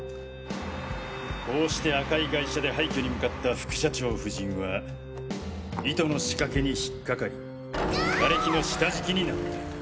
こうして赤い外車で廃墟に向かった副社長夫人は糸の仕掛けに引っかかりガレキの下敷きになった。